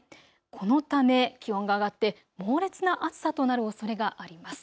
このため気温が上がって猛烈な暑さとなるおそれがあります。